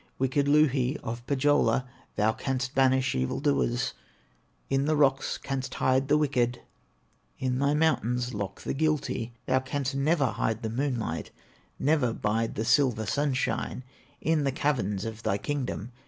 "Wicked Louhi of Pohyola, Thou canst banish evil doers, In the rocks canst hide the wicked, In thy mountains lock the guilty; Thou canst never hide the moonlight, Never hide the silver sunshine, In the caverns of thy kingdom.